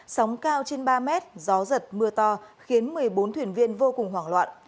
sóng cao trên ba mét gió giật mưa to khiến một mươi bốn thuyền viên vô cùng hoảng loạn